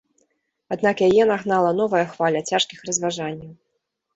Аднак яе нагнала новая хваля цяжкіх разважанняў.